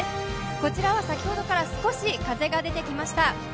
こちらは先ほどから少し風が出てきました。